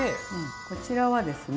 こちらはですね